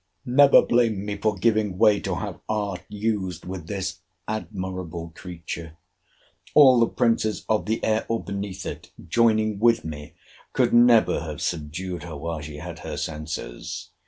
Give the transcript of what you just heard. Never blame me for giving way to have art used with this admirable creature. All the princes of the air, or beneath it, joining with me, could never have subdued her while she had her senses.